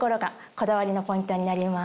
こだわりのポイントになります。